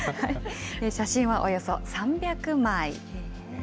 写真はおよそ３００枚。